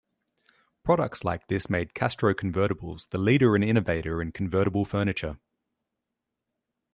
Products like this made Castro Convertibles the leader and innovator in convertible furniture.